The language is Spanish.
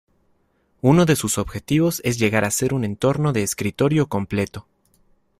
Uno de sus objetivos es llegar a ser un entorno de escritorio completo.